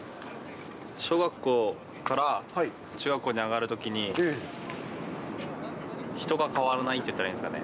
小学校から中学校に上がるときに人が変わらないっていったらいいんですかね。